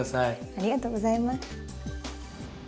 ありがとうございます。